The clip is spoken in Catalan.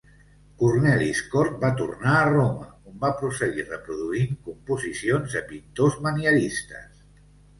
Cornelis Cort va tornar a Roma, on va prosseguir reproduint composicions de pintors manieristes.